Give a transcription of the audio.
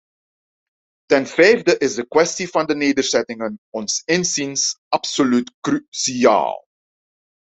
Ten vijfde is de kwestie van de nederzettingen ons inziens absoluut cruciaal.